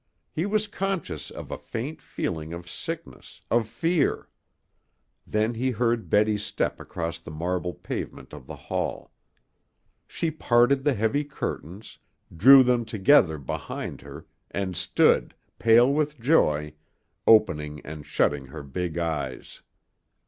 He was conscious of a faint feeling of sickness, of fear. Then he heard Betty's step across the marble pavement of the hall. She parted the heavy curtains, drew them together behind her, and stood, pale with joy, opening and shutting her big eyes.